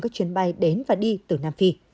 các chuyến bay đến và đi từ nam phi